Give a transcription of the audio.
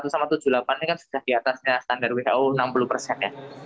delapan puluh satu sama tujuh puluh delapan ini kan sudah di atasnya standar who enam puluh persen